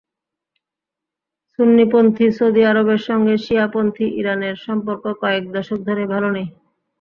সুন্নিপন্থী সৌদি আরবের সঙ্গে শিয়াপন্থী ইরানের সম্পর্ক কয়েক দশক ধরেই ভালো নেই।